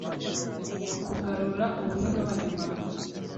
ku kugarura ubumwe bw'abanyarwanda